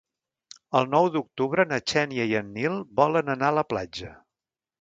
El nou d'octubre na Xènia i en Nil volen anar a la platja.